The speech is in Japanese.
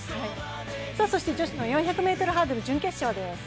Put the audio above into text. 女子の４００ｍハードル準決勝です。